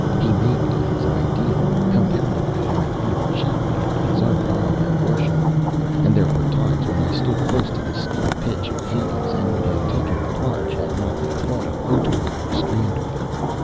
He made me his ideal, compounding me, I fear, chiefly out of his own love and worship and there were times when I stood close to the steep pitch of hell, and would have taken the plunge had not the thought of Otoo restrained me.